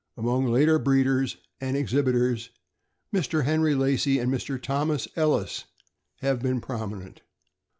Among later breeders and exhibitors, Mr. Henry Lacy and Mr. Thomas Ellis have been prominent.